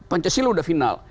pancasila udah final